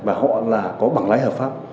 và họ là có bằng lãi hợp pháp